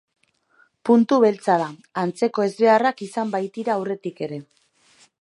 Puntu beltza da, antzeko ezbeharrak izan baitira aurretik ere.